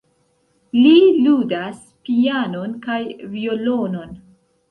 Li ludas pianon kaj violonon.